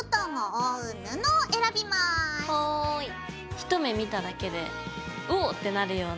一目見ただけでオッ！ってなるような。